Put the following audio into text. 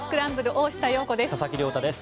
大下容子です。